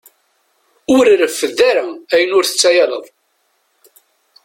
Ur reffed ara ayen ur tettayaleḍ.